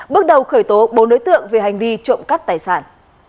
bước đầu khởi tố bốn đối tượng về hành vi trộm cắp tài sản